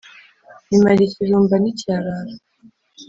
Imara ikirumba nticyarara,